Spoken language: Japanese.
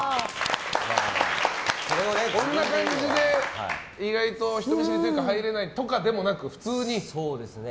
こんな感じで意外と人見知りというか入れないとかでもなく、普通に。